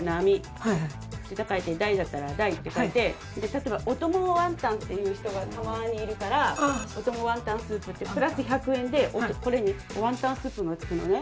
例えばおともワンタンっていう人がたまにいるからおともワンタンスープってプラス１００円でこれにワンタンスープが付くのね。